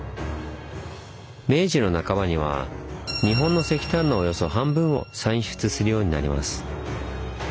明治の半ばには日本の石炭のおよそ半分を産出するようになります。